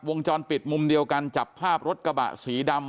วงจรปิดมุมเดียวกันจับภาพรถกระบะสีดำ